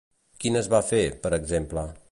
Quines va fer, per exemple?